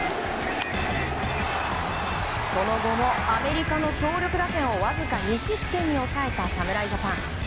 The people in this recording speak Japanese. その後もアメリカの強力打線をわずか２失点に抑えた侍ジャパン。